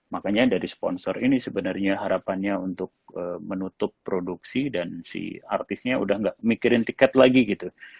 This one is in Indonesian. makanya dari sponsor ini sebenarnya harapannya untuk menutup produksi dan si artisnya udah gak mikirin tiket lagi gitu